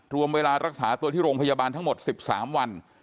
รวมเวลารักษาตัวที่โรงพยาบาลทั้งหมด๑๓วัน